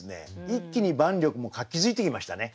一気に万緑も活気づいてきましたね。